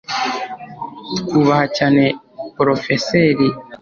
Twubaha cyane Porofeseri Turner.